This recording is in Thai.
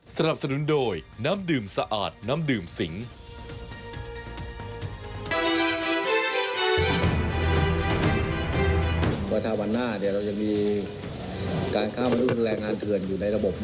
สนับสนุนโดยน้ำดื่มสะอาดน้ำดื่มสิงห์